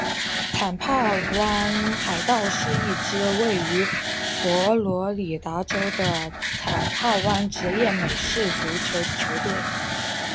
坦帕湾海盗是一支位于佛罗里达州的坦帕湾职业美式足球球队。